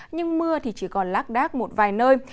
nhưng mưa thì chỉ còn lác đác một vài nơi